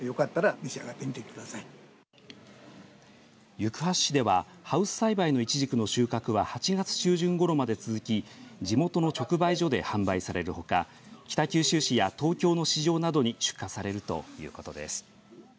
行橋市ではハウス栽培のイチジクの収穫は８月中旬ごろまで続き地元の直売所で販売されるほか北九州市や東京の市場などに出荷されるということです。